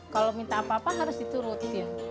kalau minta apa apa harus diturutin